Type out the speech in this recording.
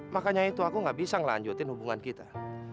makanya itu aku gak bisa ngelanjutin hubungan kita